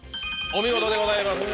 お見事でございます